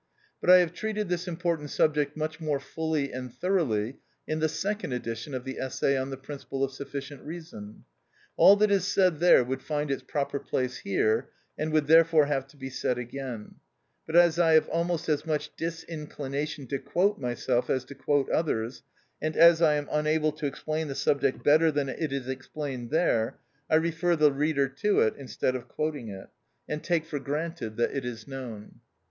But I have treated this important subject much more fully and thoroughly in the second edition of the essay on "The Principle of Sufficient Reason," § 21. All that is said there would find its proper place here, and would therefore have to be said again; but as I have almost as much disinclination to quote myself as to quote others, and as I am unable to explain the subject better than it is explained there, I refer the reader to it, instead of quoting it, and take for granted that it is known.